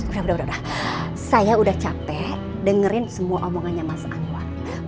udah udah udah saya udah capek dengerin semua omongannya mas anwar pokoknya mas anwar sekarang harus tau saya gak mau setengah setengah ini